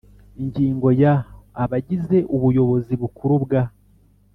Ingingo ya abagize ubuyobozi bukuru bwa